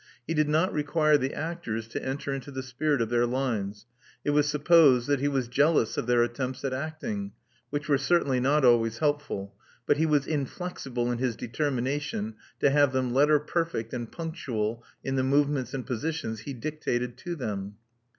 He did not require the actors to enter into the spirit of their lines — it was supposed that he was jealous of their attempts at acting, which were certainly not always helpful — ^but he was inflexible in his determination to have them letter perfect and punctual in the move ments and positions he dictated to them.